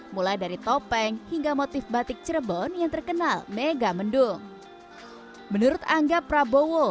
mulai dari topeng hingga motif batik cirebon yang terkenal mega mendung menurut angga prabowo